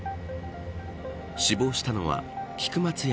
死亡したのは菊松安